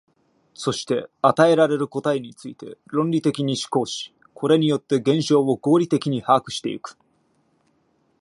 そして与えられる答えについて論理的に思考し、これによって現象を合理的に把握してゆく。